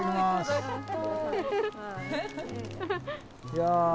いや。